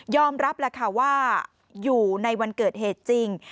รับแล้วค่ะว่าอยู่ในวันเกิดเหตุจริง